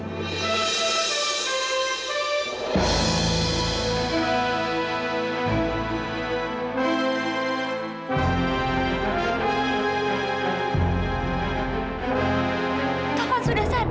taufan sudah sadar dokter